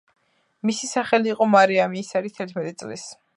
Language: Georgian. მისი სახელი იყო მარიამი ის არის თერთმეტი წლის